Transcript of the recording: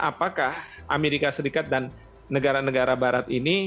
apakah amerika serikat dan negara negara barat ini